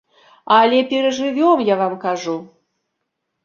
Але перажывём, я вам кажу.